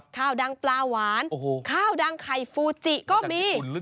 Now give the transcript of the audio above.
ข้าวดังปลาหวานข้าวดังไข่ฟูจิก็มี